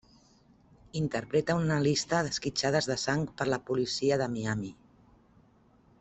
Interpreta a un analista d'esquitxades de sang per la Policia de Miami.